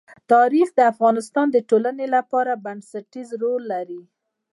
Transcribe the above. تاریخ د افغانستان د ټولنې لپاره بنسټيز رول لري.